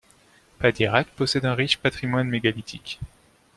Padirac possède un riche patrimoine mégalithique.